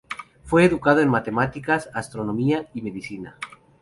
Fue educado en matemáticas, astronomía y medicina.